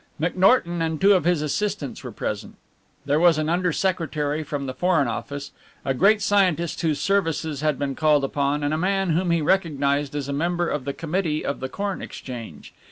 McNorton and two of his assistants were present. There was an Under Secretary from the Foreign Office, a great scientist whose services had been called upon, and a man whom he recognized as a member of the Committee of the Corn Exchange.